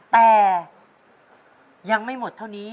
แต่ยังไม่หมดเท่านี้